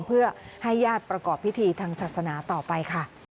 เพื่อให้ญาติประกอบพิธีทางศาสนาต่อไปค่ะ